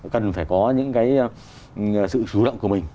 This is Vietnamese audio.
cần phải có những cái sự chủ động của mình